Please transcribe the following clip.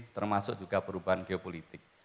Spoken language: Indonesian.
termasuk juga perubahan geopolitik